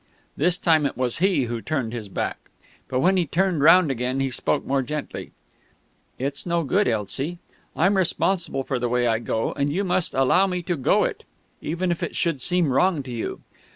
This time it was he who turned his back. But when he turned round again he spoke more gently. "It's no good, Elsie. I'm responsible for the way I go, and you must allow me to go it even if it should seem wrong to you.